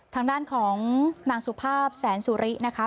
ทางด้านของนางสุภาพแสนสุรินะคะ